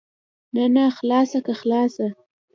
نه نه خلاصه که خلاصه که.